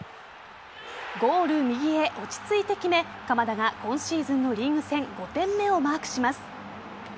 ゴール右へ落ち着いて決め鎌田が今シーズンのリーグ戦５点目をマークします。